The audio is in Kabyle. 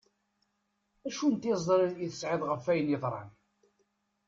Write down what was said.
Acu n tiẓri i tesεiḍ ɣef ayen yeḍran?